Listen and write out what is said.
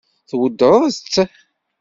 Tweddṛeḍ-tt?